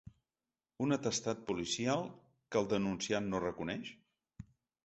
Un atestat policial que el denunciant no reconeix?